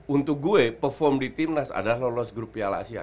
untuk gue perform di timnas adalah lolos grup piala asia